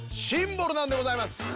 シンボルなんでございます。